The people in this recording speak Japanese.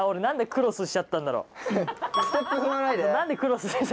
何でクロスしちゃったんだろう。